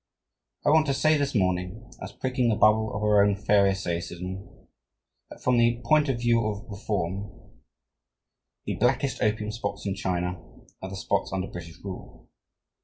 I want to say this morning, as pricking the bubble of our own Pharisaism, that from the point of view of reform, the blackest opium spots in China are the spots under British rule."